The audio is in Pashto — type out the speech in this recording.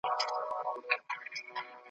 که کتل یې له کلا خلک راوزي ,